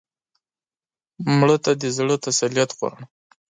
مړه ته د زړه تسلیت غواړو